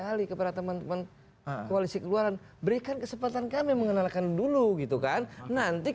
kali kepada teman teman koalisi keluaran berikan kesempatan kami mengenalkan dulu gitu kan nanti